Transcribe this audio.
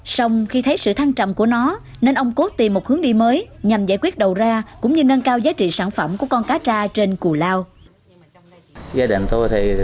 xong khi thấy sự thăng trầm của nó nên ông cốt tìm một hướng đi mới nhằm giải quyết đầu ra cũng như nâng cao giá trị sản phẩm của con cá tra trên cù lao